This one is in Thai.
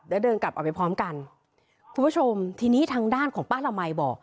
แล้วเดินกลับเอาไปพร้อมกันคุณผู้ชมทีนี้ทางด้านของป้าละมัยบอก